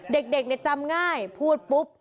เด็กจำง่ายพูดปุ๊บ